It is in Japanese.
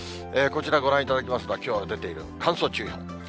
こちらご覧いただきますのは、きょう出ている乾燥注意報。